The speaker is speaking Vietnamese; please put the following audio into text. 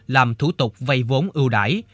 làm thủ tục vây vốn ưu đải